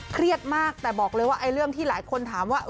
เครียดมากแต่บอกเลยว่าเรื่องที่หลายคนถามว่า